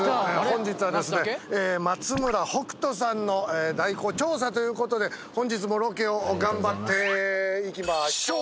本日はですね松村北斗さんの代行調査ということで本日もロケを。